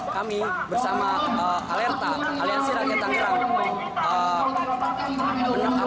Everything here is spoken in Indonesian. kami bersama alerta aliansi rakyat tangerang